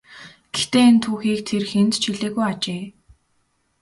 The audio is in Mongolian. Гэхдээ энэ түүхийг тэр хэнд ч хэлээгүй ажээ.